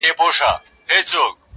o اوس و خپلو ته پردی او بېګانه دی,